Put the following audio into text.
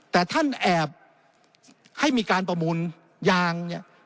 แต่ท่านแอบให้มีการประมูลยางเนี่ย